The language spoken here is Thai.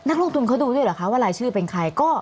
นักลงทุนเขาดูด้วยเหรอคะว่ารายชื่อเป็นใคร